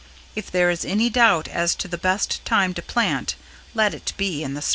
If there is any doubt as to the best time to plant, let it be in the Spring."